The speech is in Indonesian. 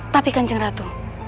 tapi kanjeng ratu